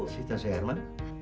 sita sya herman